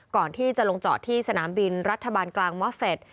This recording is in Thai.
ก่อนที่จะลงจอดที่สนามบินรัฐบาลกลางมอบเฟส